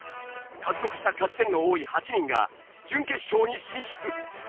獲得した勝ち点の多い８人が準決勝に進出。